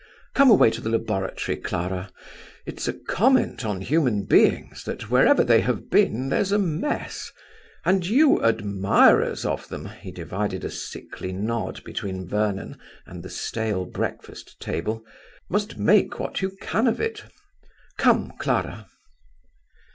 "Come away to the laboratory, Clara. It's a comment on human beings that wherever they have been there's a mess, and you admirers of them," he divided a sickly nod between Vernon and the stale breakfast table, "must make what you can of it. Come, Clara."